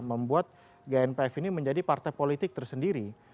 membuat gnpf ini menjadi partai politik tersendiri